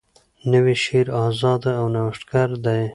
نوی شعر آزاده او نوښتګر دی.